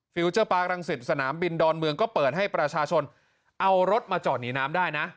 เจอร์ปาร์ครังสิตสนามบินดอนเมืองก็เปิดให้ประชาชนเอารถมาจอดหนีน้ำได้นะ